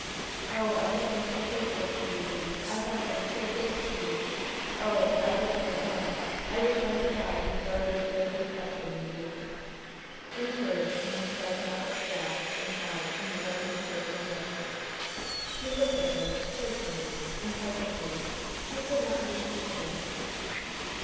"Oh! I have been so faithless to you, Le! I have been so base to you! Oh! I wish I were dead! I wish I had died before I betrayed your trust in me, Le!" These words came in spasmodic gasps and sighs from the white and quivering lips. He looked at her searchingly, incisively; he could not understand her.